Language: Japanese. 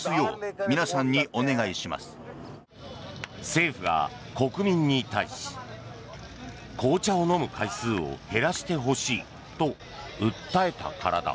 政府が国民に対し紅茶を飲む回数を減らしてほしいと訴えたからだ。